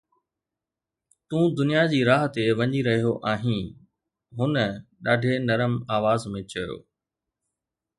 ”تون دنيا جي راهه تي وڃي رهيو آهين،“ هن ڏاڍي نرم آواز ۾ چيو.